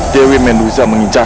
dewi manusa mengincar